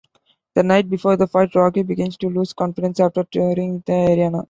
The night before the fight, Rocky begins to lose confidence after touring the arena.